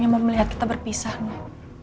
yang mau melihat kita berpisah nih